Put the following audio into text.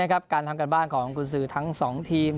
การทำการบ้านของอัมกุศือทั้งสองทีม